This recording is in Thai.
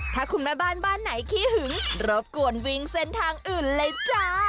ถ้าคุณแม่บ้านบ้านไหนขี้หึงรบกวนวิ่งเส้นทางอื่นเลยจ้า